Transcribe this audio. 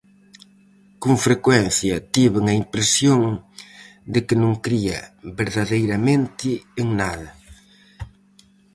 Con frecuencia tiven a impresión de que non cría verdadeiramente en nada.